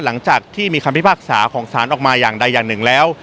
หลังจากที่มีคำพิพากษาของสารออกมาอย่างใดอย่างหนึ่งแล้ว